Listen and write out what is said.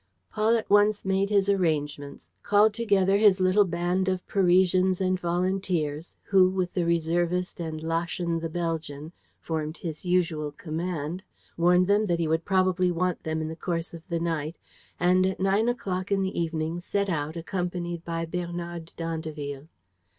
Paul at once made his arrangements, called together his little band of Parisians and volunteers who, with the reservist and Laschen the Belgian, formed his usual command, warned them that he would probably want them in the course of the night and, at nine o'clock in the evening, set out, accompanied by Bernard d'Andeville.